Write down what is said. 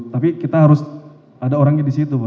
tapi kita harus ada orangnya di situ pak